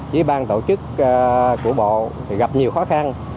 chỉ ban tổ chức của bộ thì gặp nhiều khó khăn